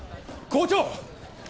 校長！